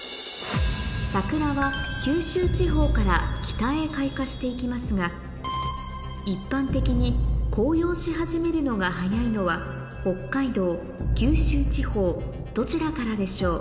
桜は九州地方から北へ開花して行きますが一般的に紅葉し始めるのが早いのは北海道九州地方どちらからでしょう？